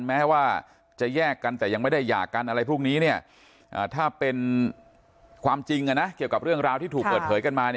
แม้ว่าจะแยกกันแต่ยังไม่ได้หย่ากันอะไรพวกนี้ถ้าเป็นความจริงเกี่ยวกับเรื่องราวที่ถูกเปิดเผยกันมา